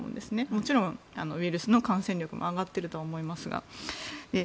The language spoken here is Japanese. もちろんウイルスの感染力も上がっているとは思いますが。